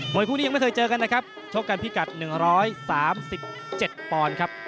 คู่นี้ยังไม่เคยเจอกันนะครับชกกันพิกัด๑๓๗ปอนด์ครับ